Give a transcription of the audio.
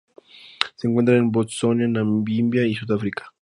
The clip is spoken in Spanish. Se encuentra en Botsuana, Namibia y Sudáfrica.